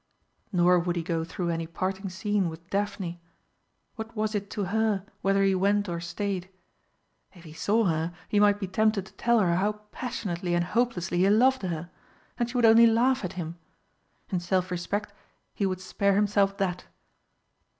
Nor would he go through any parting scene with Daphne what was it to her whether he went or stayed? If he saw her, he might be tempted to tell her how passionately and hopelessly he loved her and she would only laugh at him. In self respect he would spare himself that.